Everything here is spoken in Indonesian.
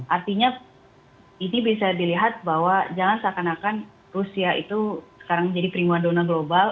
artinya ini bisa dilihat bahwa jangan seakan akan rusia itu sekarang menjadi prima dona global